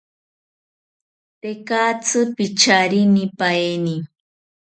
Tekatzi picharinipaeni